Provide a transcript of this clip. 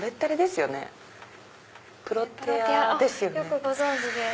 よくご存じで。